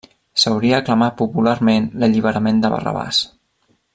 S'hauria aclamat popularment l'alliberament de Barrabàs.